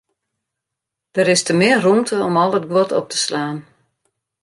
Der is te min rûmte om al it guod op te slaan.